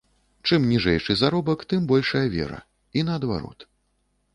Чым ніжэйшы заробак, тым большая вера і наадварот.